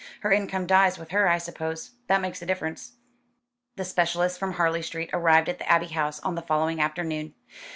Her income dies with her I suppose. That makes a difference." The specialist from Harley Street arrived at the Abbey House on the following afternoon.